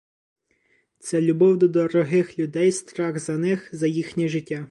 Це — любов до дорогих людей, страх за них, за їхнє життя.